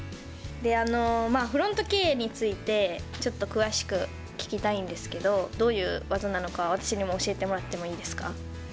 フロントＫについてちょっと詳しく聞きたいんですけどどういう技なのか私に教えてもらっていいですか。